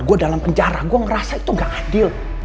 gue dalam penjara gue ngerasa itu gak adil